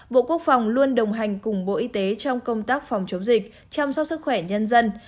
bộ quốc phòng luôn đồng hành cùng bộ y tế trong công tác phòng chống dịch chăm sóc sức khỏe nhân dân